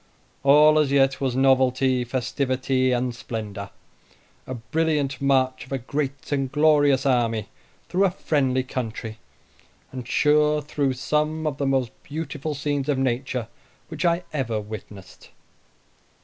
All as yet was novelty, festivity, and splendor a brilliant march of a great and glorious army through a friendly country, and sure through some of the most beautiful scenes of nature which I ever witnessed.